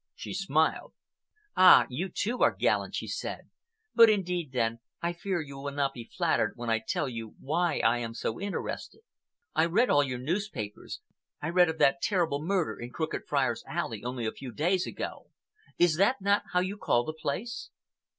She smiled. "Ah! you, too, are gallant," she said. "But indeed, then, I fear you will not be flattered when I tell you why I was so interested. I read all your newspapers. I read of that terrible murder in Crooked Friars' Alley only a few days ago,—is not that how you call the place?"